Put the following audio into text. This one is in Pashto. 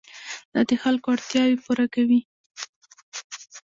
دا د خلکو اړتیاوې پوره کوي.